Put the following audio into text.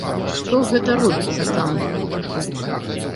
Што гэта робіцца там?